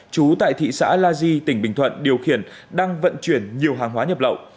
chú tại thị xã la di tỉnh bình thuận điều khiển đang vận chuyển nhiều hàng hóa nhập lậu